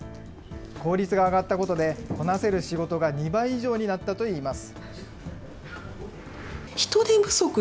効率が上がったことで、こなせる仕事が２倍以上になったといいます。